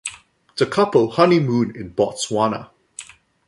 The couple honeymooned in Botswana.